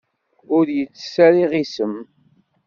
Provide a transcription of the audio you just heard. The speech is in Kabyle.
Ur yettess ara iɣisem.